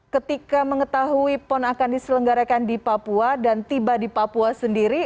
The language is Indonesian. ketika mengetahui pon akan diselenggarakan di papua dan tiba di papua sendiri